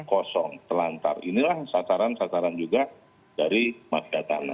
kosong telantar inilah sasaran sasaran juga dari mafia tanah